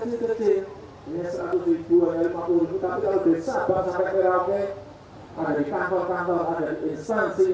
ini ada seratus ribuan dari empat puluh ribu kapal dari sabah sampai perawet